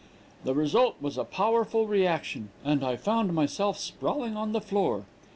The result was a powerful reaction, and I found myself sprawling on the floor.